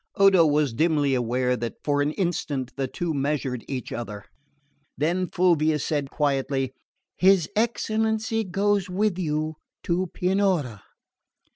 Odo was dimly aware that, for an instant, the two measured each other; then Fulvia said quietly: "His excellency goes with you to Pianura."